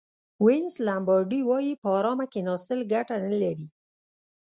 وینس لومبارډي وایي په ارامه کېناستل ګټه نه لري.